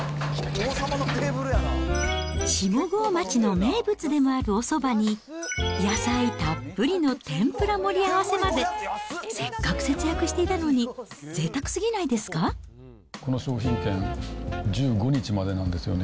下郷町の名物でもあるおそばに、野菜たっぷりの天ぷら盛り合わせまで、せっかく節約していたのにこの商品券、１５日までなんですよね。